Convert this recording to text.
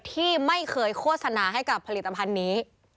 ที่ไม่เคยโฆษณาให้กับผลิตภัณฑ์นี้